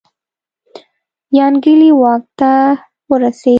یانګلي واک ته ورسېد.